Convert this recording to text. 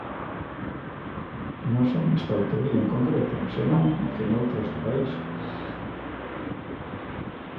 Non só nesta autovía en concreto, senón que noutras do país.